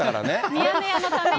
ミヤネ屋のために。